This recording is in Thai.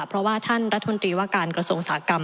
เพราะว่าท่านรัฐมนตรีว่าการกระทรวงอุตสาหกรรม